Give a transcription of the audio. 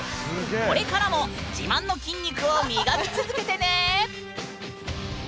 これからも自慢の筋肉を磨き続けてね！